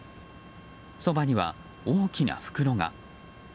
そばには大きな袋が。